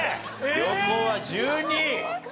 旅行は１２位。